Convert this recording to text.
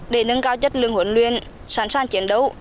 để nâng cao chất lượng huấn luyện sẵn sàng chiến đấu